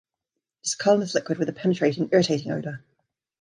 It is a colorless liquid with a penetrating, irritating odor.